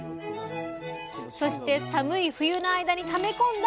そして寒い冬の間にため込んだ甘み！